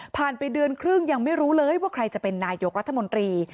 ไปเดือนครึ่งยังไม่รู้เลยว่าใครจะเป็นนายกรัฐมนตรี